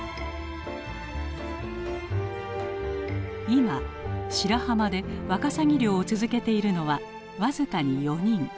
今白浜でワカサギ漁を続けているのは僅かに４人。